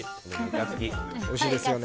おいしいですよね。